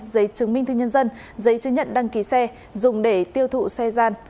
giấy chứng minh thư nhân dân giấy chứng nhận đăng ký xe dùng để tiêu thụ xe gian